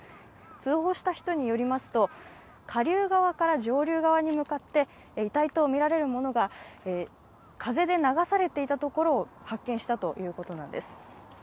通報した人によりますと下流側から上流側に向かって遺体とみられるものが風で流されていたところを発見したということなんです。